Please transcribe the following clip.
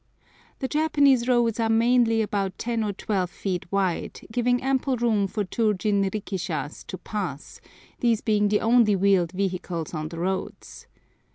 The Japanese roads are mainly about ten or twelve feet wide, giving ample room for two jinrikishas to pass, these being the only wheeled vehicles on the roads.